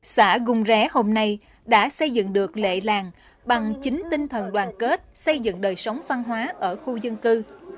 xã gung ré hôm nay đã xây dựng được lệ làng bằng chính tinh thần đoàn kết xây dựng đời sống văn hóa ở khu dân cư